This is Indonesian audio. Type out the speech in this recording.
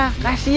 emang kenapa sih